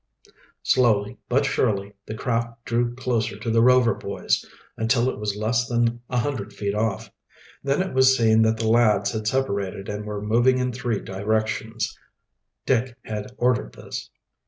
Slowly, but surely, the craft drew closer to the Rover boys, until it was less than a hundred feet off. Then it was seen that the lads had separated and were moving in three directions. Dick had ordered this.